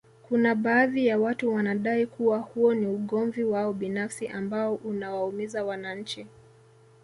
Kuna baadhi ya watu wanadai kuwa huo ni ugomvi wao binafsi ambao unawaumiza wananchi